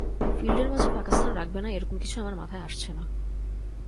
ফিল্ডের মাঝে ফাঁকা স্থান রাখবে না এরকম কিছু আমার মাথায় আসছে না।